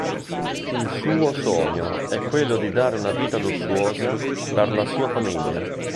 Il suo sogno è quello di dare una vita lussuosa per la sua famiglia.